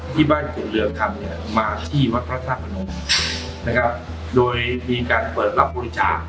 ที่มีความสาธาในองค์พระธา